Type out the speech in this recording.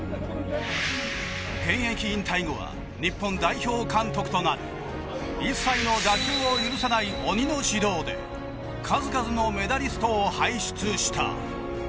現役引退後は日本代表監督となり一切の妥協を許さない鬼の指導で数々のメダリストを輩出した。